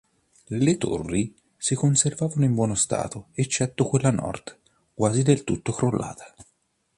Le torri si conservano in buono stato eccetto quella Nord quasi del tutto crollata.